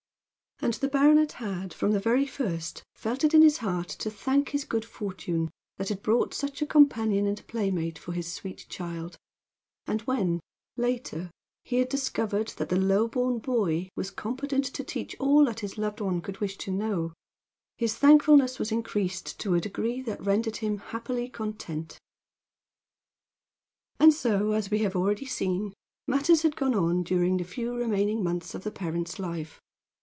And the baronet had, from the very first, felt it in his heart to thank his good fortune that had brought such a companion and playmate for his sweet child: and when, later, he had discovered that the low born boy was competent to teach all that his loved one could wish to know, his thankfulness was increased to a degree that rendered him happily content. And so, as we have already seen, matters had gone on during the few remaining months of the parent's life.